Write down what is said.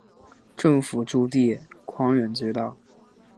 政府驻地匡远街道。